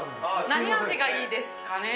何味がいいですかね。